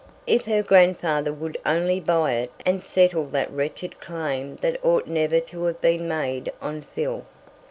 If her grandfather would only buy it and settle that wretched claim that ought never to have been made on Phil!